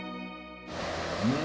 うん。